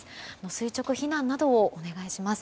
垂直避難などをお願いします。